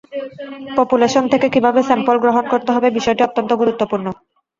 Population থেকে কিভাবে sample গ্রহন করতে হবে বিষয়টি অত্যন্ত গুরুত্বপূর্ণ।